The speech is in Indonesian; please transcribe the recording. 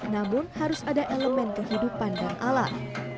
namun harus ada elemen kehidupan dan alam